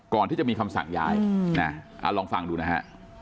ก่อนที่จะมีคำสั่งย้ายนะลองฟังดูนะฮะ